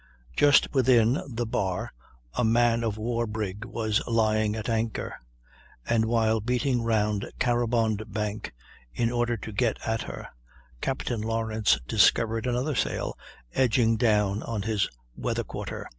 Just within the bar a man of war brig was lying at anchor; and while beating round Caroband Bank, in order to get at her, Captain Lawrence discovered another sail edging down on his weather quarter.